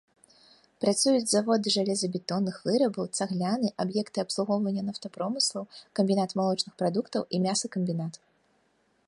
Працуюць заводы жалезабетонных вырабаў, цагляны, аб'екты абслугоўвання нафтапромыслаў, камбінат малочных прадуктаў і мясакамбінат.